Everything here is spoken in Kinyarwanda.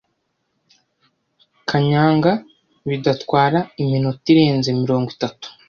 kanyanga bidatwara iminota irenze mirongo itatu